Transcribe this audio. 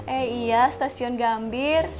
eh iya stasiun gambir